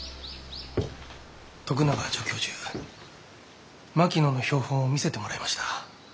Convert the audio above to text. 徳永助教授槙野の標本を見せてもらいました。